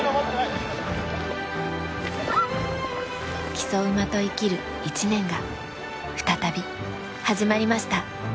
木曽馬と生きる一年が再び始まりました。